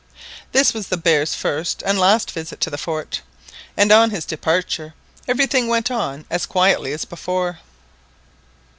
This was the bear's first and last visit to the fort, and on his departure everything went on as quietly as before.